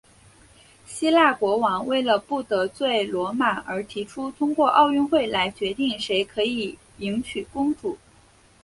希腊国王为了不得罪罗马而提出通过奥运会来决定谁可以迎娶公主。